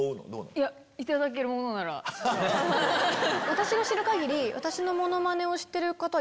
私が知る限り。